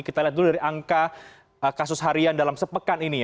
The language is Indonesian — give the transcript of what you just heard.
kita lihat dulu dari angka kasus harian dalam sepekan ini